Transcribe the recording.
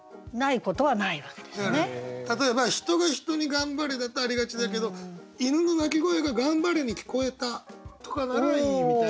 だから例えば人が人に「頑張れ」だとありがちだけど「犬の鳴き声が『頑張れ』に聞こえた」とかならいいみたいなことですか？